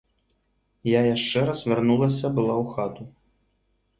Я яшчэ раз вярнулася была ў хату.